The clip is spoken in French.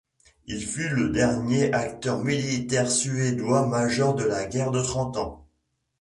Il fut le dernier acteur militaire suédois majeur de la guerre de Trente Ans.